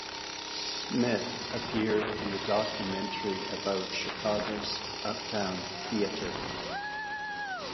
Smith appeared in the documentary about Chicago's Uptown Theatre.